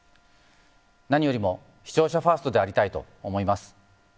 何よりも視聴者ファーストでありたいと思います。